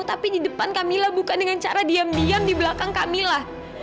tapi di depan kamila bukan dengan cara diam diam di belakang kamila